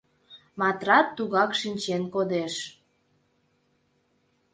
Матрат тугак шинчен кодеш.